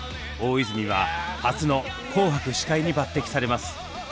大泉は初の「紅白」司会に抜てきされます。